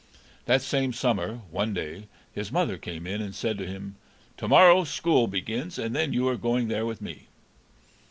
That same summer, one day, his mother came in and said to him, "To morrow school begins and then you are going there with me."